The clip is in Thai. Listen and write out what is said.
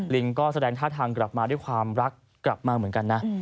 ลิงก็แสดงท่าทางกลับมาด้วยความรักกลับมาเหมือนกันนะ